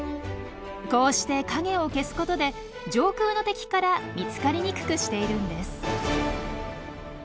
こうして影を消すことで上空の敵から見つかりにくくしているんです。